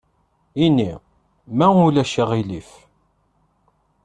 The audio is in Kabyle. Ini: « ma ulac aɣilif ».